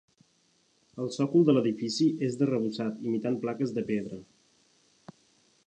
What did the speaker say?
El sòcol de l'edifici és d'arrebossat imitant plaques de pedra.